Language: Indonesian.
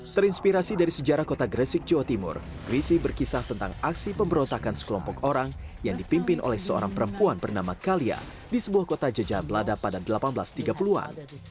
terinspirasi dari sejarah kota gresik jawa timur risih berkisah tentang aksi pemberontakan sekelompok orang yang dipimpin oleh seorang perempuan bernama kalia di sebuah kota jajah belanda pada seribu delapan ratus tiga puluh an